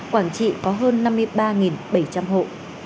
quảng trị có hơn năm mươi ba bảy trăm linh hộ